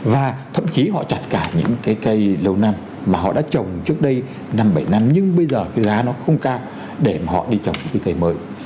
và thậm chí họ chặt cả những cái cây lâu năm mà họ đã trồng trước đây năm bảy năm nhưng bây giờ cái giá nó không cao để mà họ đi trồng những cái cây mới